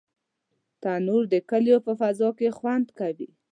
تنور د کلیو په فضا کې خوند کوي